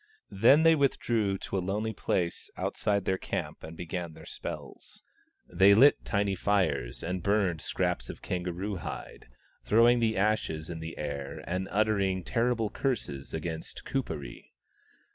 Then they with drew to a lonely place outside their camp and began their spells. They lit tiny fires and burned scraps of kangaroo hide, throwing the ashes in the air and uttering terrible curses against Kuperee.